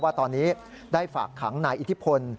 ว่าตอนนี้ได้ฝากขังนายอิทธิพล